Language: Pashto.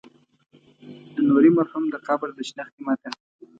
د نوري مرحوم د قبر د شنختې متن.